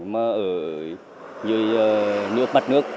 mà ở dưới nước mặt nước